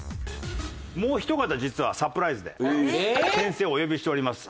もうひと方実はサプライズで先生をお呼びしております。